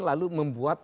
lalu membuat peraturan